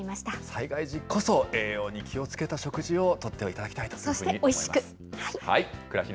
災害時こそ、栄養に気をつけた食事をとっていただきたいというふうに思います。